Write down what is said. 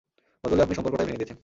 বদলে আপনি সম্পর্কটাই ভেঙে দিয়েছেন!